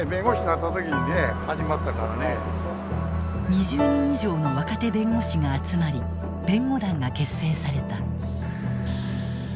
２０人以上の若手弁護士が集まり弁護団が結成された。